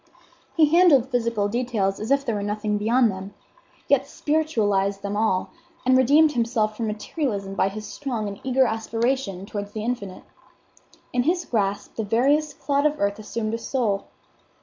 He handled physical details as if there were nothing beyond them; yet spiritualized them all, and redeemed himself from materialism by his strong and eager aspiration towards the infinite. In his grasp the veriest clod of earth assumed a soul.